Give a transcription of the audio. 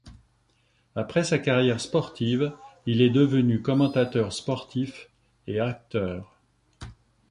Après sa carrière sportive, il est devenu commentateur sportif et acteur.